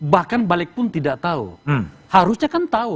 bahkan balikpun tidak tahu harusnya kan tahu